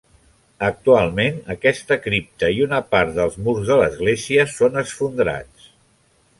Actualment, aquesta cripta i una part dels murs de l'església són esfondrats.